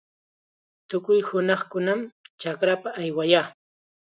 Tukuy hunaqkunam chakrapa aywayaa.